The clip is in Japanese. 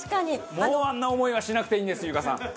もうあんな思いはしなくていいんです優香さん。